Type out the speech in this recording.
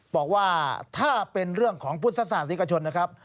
บอกว่าถ้าเป็นเรื่องของพุทธศาสนิกชนนะครับ